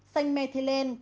xanh me thê lên